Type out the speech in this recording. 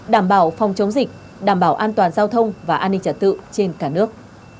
đảm bảo phòng chống dịch đảm bảo an toàn giao thông và an ninh trật tự trên cả nước